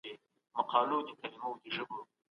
دا هغه نړيوال حکومت دی چي فارابي يې يادوي.